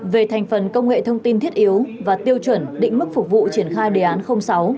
về thành phần công nghệ thông tin thiết yếu và tiêu chuẩn định mức phục vụ triển khai đề án sáu